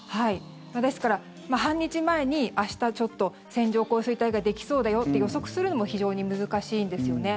ですから、半日前に明日ちょっと線状降水帯ができそうだよって予測するのも非常に難しいんですよね。